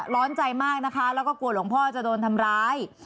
ร้อนใจมากนะคะแล้วก็กลัวหลวงพ่อจะโดนทำร้าย